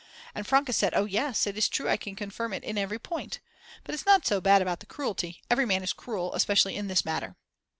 And Franke said: "Oh yes, it is true I can confirm it in every point. But it's not so bad about the cruelty, every man is cruel, especially in this matter."